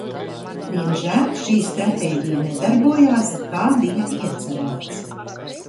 Diemžēl šī stratēģija nedarbojās, kā bija iecerēts.